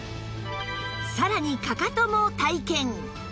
さらにかかとも体験